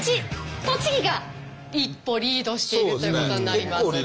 栃木が一歩リードしているということになります。